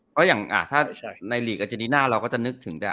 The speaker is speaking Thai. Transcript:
เพราะอย่างถ้าในลีกอาเจนิน่าเราก็จะนึกถึงแดน